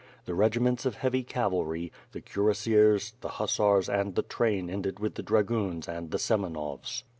The regiments of heavy cavalry, the cuir assiers, the hussars; and the train ended with the dragoons and the Semenovs.